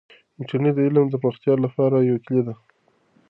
انټرنیټ د علم د پراختیا لپاره یوه کیلي ده.